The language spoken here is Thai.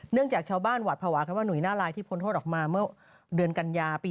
จากชาวบ้านหวัดภาวะกันว่าหุยหน้าลายที่พ้นโทษออกมาเมื่อเดือนกันยาปี๒๕